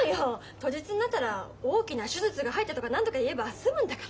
当日になったら大きな手術が入ったとか何とか言えば済むんだから。